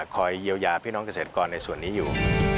คอยเยียวยาพี่น้องเกษตรกรในส่วนนี้อยู่